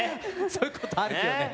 そういうことあるよね。